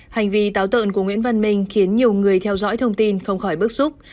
hành vi táo tợn của nguyễn văn minh khiến nhiều người theo dõi thông tin không khỏi bức xúc